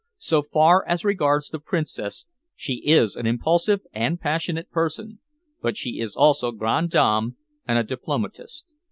So far as regards the Princess, she is an impulsive and passionate person, but she is also grande dame and a diplomatist.